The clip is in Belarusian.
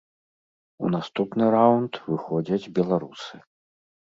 У наступны раўнд выходзяць беларусы.